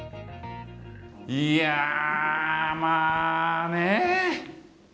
いや、まあね。